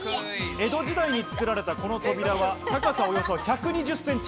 江戸時代に作られたこの扉は高さおよそ１２０ｃｍ。